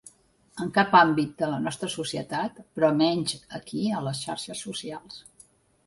En cap àmbit de la nostra societat, però menys aquí a les xarxes socials.